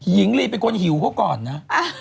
หญิงลีเป็นคนหิวเขาก่อนนะ